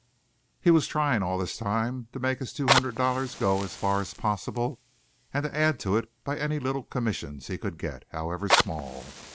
He was trying all this time to make his two hundred dollars go as far as possible and to add to it by any little commissions he could get, however small.